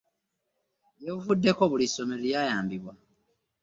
Gye buvuddeko buli ssomero lyayambibwa.